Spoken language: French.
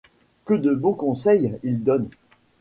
Que de bons conseils il donne !